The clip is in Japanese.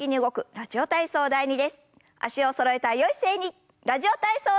「ラジオ体操第２」。